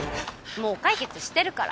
もう解決してるから。